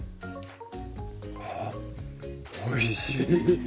ああおいしい。